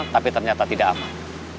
tapi ternyata tidak aman